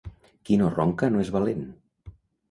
Qui no ronca no és valent.